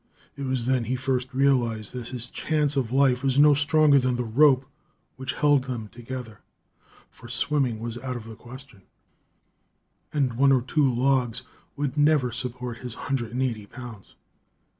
It was then he first realized that his chance of life was no stronger than the rope which held them together. For swimming was out of the question, and one or two logs would never support his hundred and eighty pounds.